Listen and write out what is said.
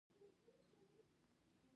او هغه ورته وائي شکر کوه